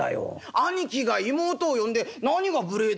兄貴が妹を呼んで何が無礼だ！